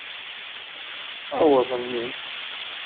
Aweḍ nnig.